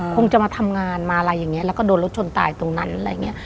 คงจะมาทำงานมาอะไรอย่างนี้แล้วก็โดนรถชนตายตรงนั้นอะไรอย่างนี้